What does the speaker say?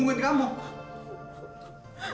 mau ditungguin kamu